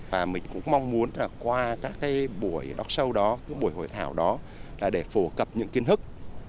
và mình cũng mong muốn là qua các cái buổi dog show đó các buổi hội thảo đó là để phổ cập những kiến hức